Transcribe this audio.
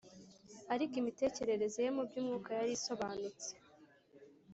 . Ariko imitekerereze ye, mu by’umwuka yari isobanutse